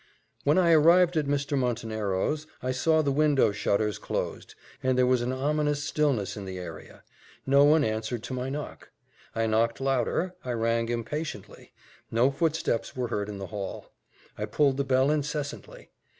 When I arrived at Mr. Montenero's I saw the window shutters closed, and there was an ominous stillness in the area no one answered to my knock. I knocked louder I rang impatiently; no footsteps were heard in the hall: I pulled the bell incessantly.